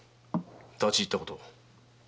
立ち入ったことを。